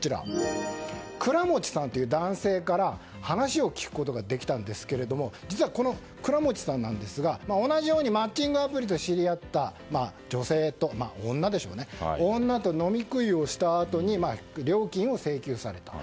クラモチさんという男性から話を聞くことができたんですが実はこのクラモチさんなんですが同じようにマッチングアプリで知り合った女と飲み食いをしたあとに料金を請求された。